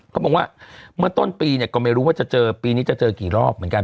เขาบอกว่าเมื่อต้นปีเนี่ยก็ไม่รู้ว่าจะเจอปีนี้จะเจอกี่รอบเหมือนกัน